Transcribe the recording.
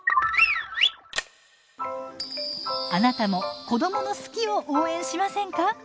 あなたも子どもの「好き」を応援しませんか？